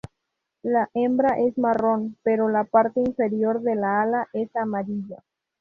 La hembra es marrón, pero la parte inferior del ala es amarilla.